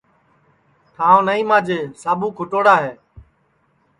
نائی ماجے ساٻو کُھٹوڑا ہے